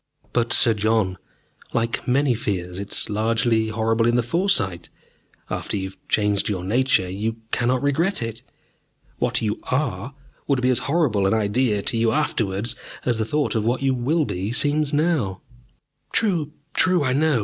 "But, Sir John, like many fears, it is largely horrible in the foresight. After you have changed your nature you cannot regret it. What you are would be as horrible an idea to you afterwards as the thought of what you will be seems now." "True, true. I know it.